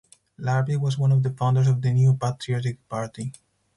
Larbi was one of the founders of the New Patriotic Party.